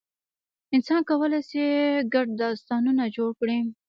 انسان کولی شي ګډ داستانونه جوړ کړي.